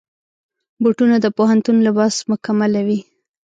بوټونه د پوهنتون لباس مکملوي.